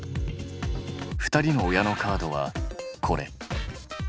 ２人の親のカードはこれ。